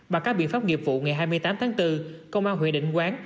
bằng các biện pháp nghiệp vụ ngày hai mươi tám tháng bốn công an huyện định quán